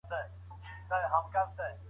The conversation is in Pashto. ولې خلګ په تاریخ کي وران حساب کوي؟